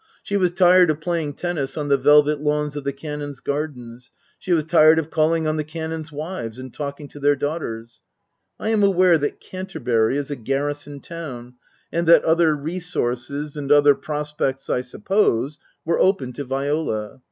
She was tired of playing tennis on the velvet lawns of the Canons' gardens ; she was tired of calling on the Canons' wives and talking to their daughters. I am aware that Canterbury is a garrison town and that other resources, and other prospects, I suppose, were open to Viola.